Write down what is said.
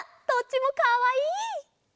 どっちもかわいい！